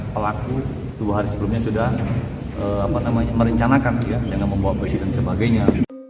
pelaku dua hari sebelumnya sudah merencanakan dengan membawa besi dan sebagainya